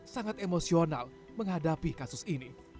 sangat emosional menghadapi kasus ini